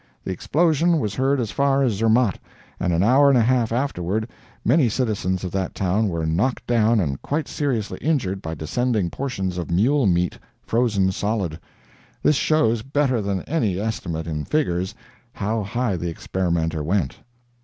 The explosion was heard as far as Zermatt; and an hour and a half afterward, many citizens of that town were knocked down and quite seriously injured by descending portions of mule meat, frozen solid. This shows, better than any estimate in figures, how high the experimenter went.